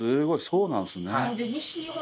そうなんですね。